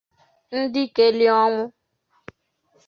Ndikeliọnwụ